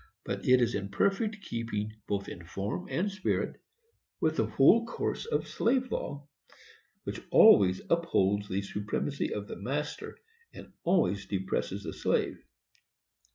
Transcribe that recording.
But it is in perfect keeping, both in form and spirit, with the whole course of slave law, which always upholds the supremacy of the master, and always depresses the slave.